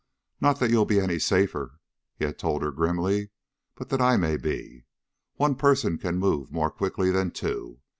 "Not that you'll be any safer," he had told her grimly, "but that I may be. One person can move more quickly than two.